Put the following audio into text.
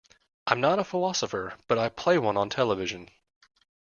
I'm not a philosopher, but I play one on television.